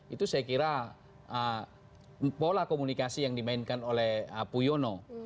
itu saya kira pola komunikasi yang dimainkan oleh puyono